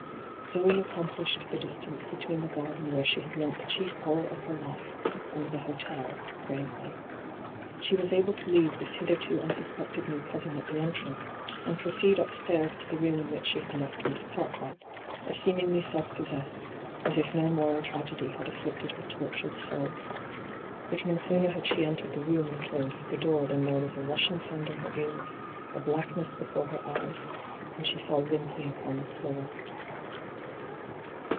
Zoe accomphshed the distance between the garden where she had learnt the chief horror of her life, and the hotel, bravely. She was able to leave this hitherto unsuspected new cousin at the entrance, and proceed upstairs to the room in which she had left Miss Cartwright, as seemingly self possessed as if no moral tragedy had aMcted her tortured soul. But no sooner had she entered the room and closed the door than there was a rushing sound in her ears, a blackness before her eyes, and she fell limply upon the floor.